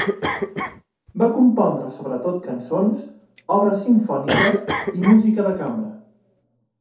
Va compondre sobretot cançons, obres simfòniques i música de cambra.